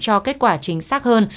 cho kết quả chính xác hơn